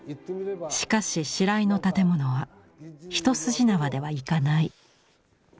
しかし白井の建物は一筋縄ではいかない。